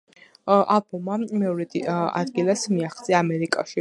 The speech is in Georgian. ალბომმა მეორე ადგილს მიაღწია ამერიკაში.